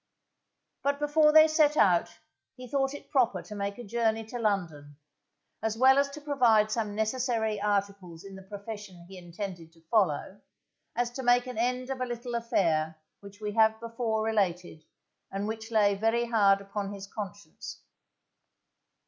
But before they set out, he thought it proper to make a journey to London, as well as to provide some necessary articles in the profession he intended to follow, as to make an end of a little affair which we have before related, and which lay very hard upon his conscience.